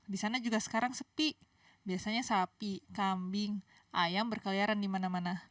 disana juga sekarang sepi biasanya sapi kambing ayam berkeliaran dimana mana